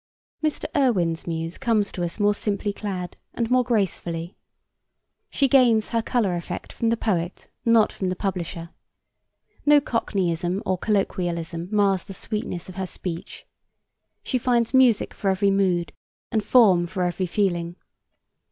Mr. Irwin's muse comes to us more simply clad, and more gracefully. She gains her colour effect from the poet, not from the publisher. No cockneyism or colloquialism mars the sweetness of her speech. She finds music for every mood, and form for every feeling.